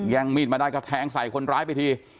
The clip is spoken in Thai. งมีดมาได้ก็แทงใส่คนร้ายไปที